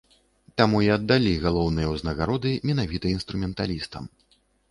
Таму і аддалі галоўныя ўзнагароды менавіта інструменталістам.